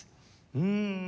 うん。